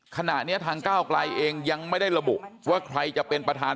ขณะนี้ทางก้าวไกลเองยังไม่ได้ระบุว่าใครจะเป็นประธาน